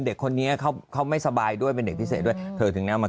เด็กคนนี้เขาไม่สบายด้วยเป็นเด็กพิเศษด้วยเธอถึงนะมา